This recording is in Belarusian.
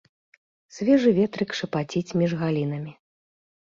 Свежы ветрык шапаціць між галінамі.